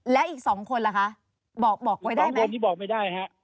และอีก๒คนล่ะคะบอกไว้ได้ไหม